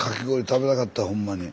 食べたかったほんまに。